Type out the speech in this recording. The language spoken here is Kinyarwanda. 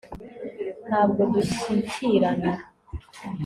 ntabwo dushyikirana